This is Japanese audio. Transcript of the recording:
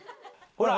ほら！